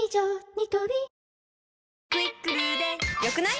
ニトリ「『クイックル』で良くない？」